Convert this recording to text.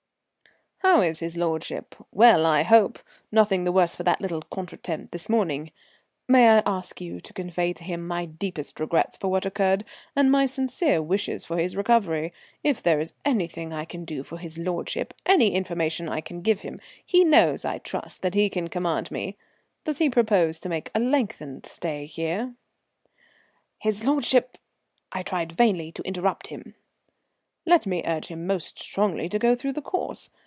"How is his lordship? Well, I hope. None the worse for that little contretemps this morning. May I ask you to convey to him my deep regrets for what occurred, and my sincere wishes for his recovery? If there is anything I can do for his lordship, any information I can give him, he knows, I trust, that he can command me. Does he propose to make a lengthened stay here?" "His lordship " I tried vainly to interrupt him. "Let me urge him most strongly to go through the course.